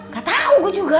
gatau gua juga